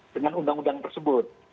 dengan undang undang tersebut